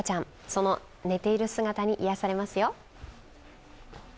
その寝ている姿に癒やされますよ。